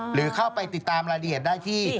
หรือเข้าไปติดตามรายละเอียดได้ที่